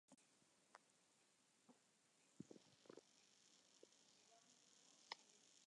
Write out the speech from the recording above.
Fernij spraakopdrachten.